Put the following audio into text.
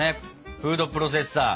フードプロセッサー！